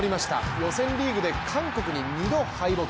予選リーグで韓国に２度敗北。